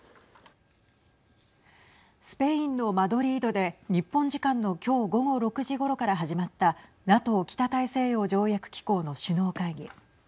スペインのマドリードで日本時間のきょう午後６時ごろから始まったＮＡＴＯ＝北大西洋条約機構の首脳会議。